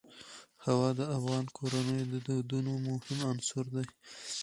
هوا د افغان کورنیو د دودونو مهم عنصر دی.